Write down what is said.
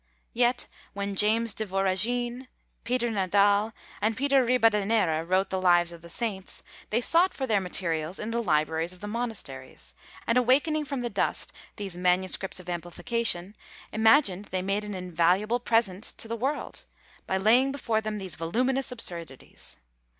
Yet, when James de Voragine, Peter Nadal, and Peter Ribadeneira, wrote the Lives of the Saints, they sought for their materials in the libraries of the monasteries; and, awakening from the dust these manuscripts of amplification, imagined they made an invaluable present to the world, by laying before them these voluminous absurdities.